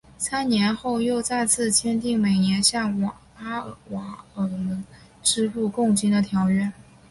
三年后又再次签订每年向阿瓦尔人支付贡金的条约。